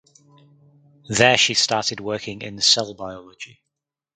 There she started working in cell biology.